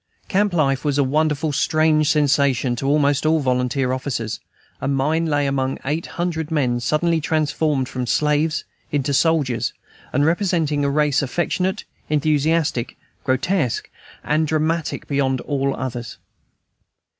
Camp life was a wonderfully strange sensation to almost all volunteer officers, and mine lay among eight hundred men suddenly transformed from slaves into soldiers, and representing a race affectionate, enthusiastic, grotesque, and dramatic beyond all others.